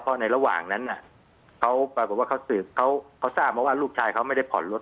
เพราะในระหว่างนั้นเขาปรากฏว่าเขาสืบเขาทราบมาว่าลูกชายเขาไม่ได้ผ่อนรถ